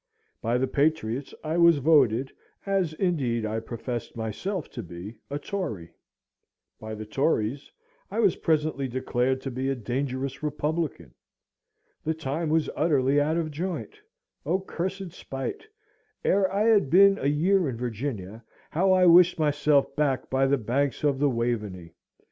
By the Patriots I was voted (as indeed I professed myself to be) a Tory; by the Tories I was presently declared to be a dangerous Republican. The time was utterly out of joint. O cursed spite! Ere I had been a year in Virginia, how I wished myself back by the banks of the Waveney!